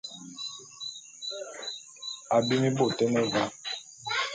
Abim bôt é ne va.